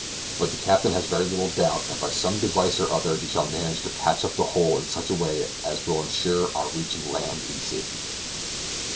But the captain has very little doubt that by some device or other he shall manage to patch up the hole in such a way as will insure our reaching land in safety.